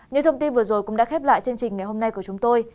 những thông tin vừa rồi cũng đã khép lại chương trình ngày hôm nay của chúng tôi